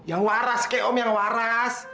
yang waras ke om yang waras